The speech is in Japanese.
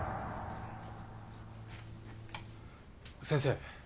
先生。